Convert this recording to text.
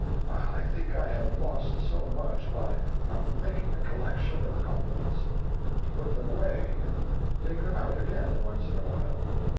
I think I have lost so much by not making a collection of compliments, to put them away and take them out again once in a while.